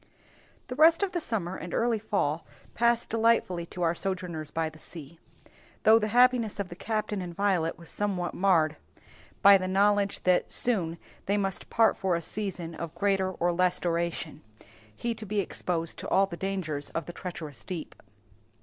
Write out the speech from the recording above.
The rest of the summer and early fall passed delightfully to our sojourners by the sea; though the happiness of the captain and Violet was somewhat marred by the knowledge that soon they must part for a season of greater or less duration, he to be exposed to all the dangers of the treacherous deep.